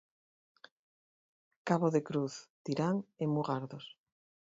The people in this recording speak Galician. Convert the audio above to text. Cabo de Cruz, Tirán e Mugardos.